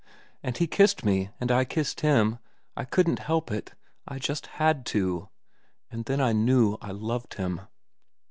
And he kissed me, and I kissed him. I couldn't help it. I just had to. And then I knew I loved him."